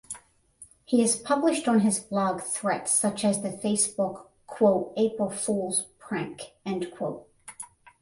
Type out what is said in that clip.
He has published on his blog threats such as the Facebook "April Fools Prank".